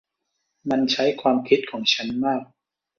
มันใช้ความคิดของฉันมาก